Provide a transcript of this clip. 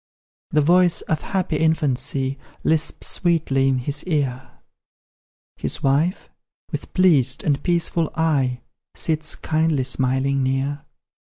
The voice of happy infancy Lisps sweetly in his ear, His wife, with pleased and peaceful eye, Sits, kindly smiling, near.